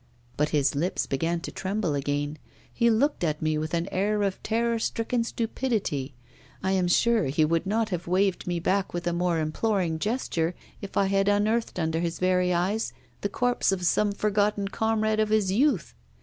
But his lips began to tremble again; he looked at me with an air of terror stricken stupidity; I am sure he would not have waved me back with a more imploring gesture if I had unearthed under his very eyes the corpse of some forgotten comrade of his youth.